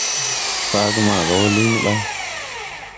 Faage maga wɔ liŋ ɓay.